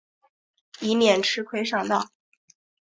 以免吃亏上当